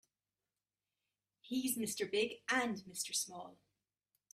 He's Mr. Big and Mr. Small.